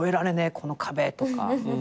この壁とか。